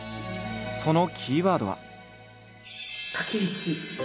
そのキーワードは。